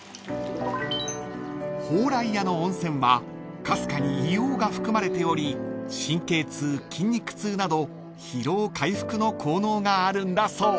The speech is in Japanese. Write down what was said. ［蓬莱屋の温泉はかすかに硫黄が含まれており神経痛筋肉痛など疲労回復の効能があるんだそう］